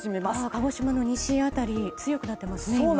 鹿児島の西辺り強くなっていますね。